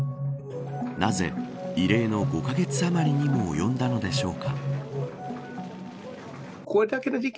なぜ、異例の５カ月余りにも及んだのでしょうか。